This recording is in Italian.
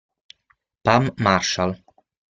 Pam Marshall